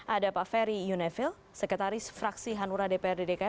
ada pak ferry yunevil sekretaris fraksi hanura dprd dki